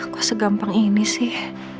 kok segampang ini sih